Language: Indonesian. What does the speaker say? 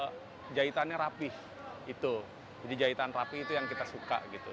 mencari kualitas ya tapi kedua jahitannya rapih itu jadi jahitan rapi itu yang kita suka gitu